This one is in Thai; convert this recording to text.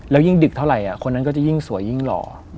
แล้วยิ่งดึกเท่าไหร่คนนั้นก็จะยิ่งสวยยิ่งหล่อ